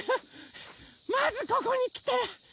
まずここにきて。